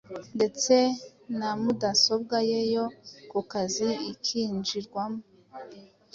ndetse na mudasobwa ye yo ku kazi ikinjirwamo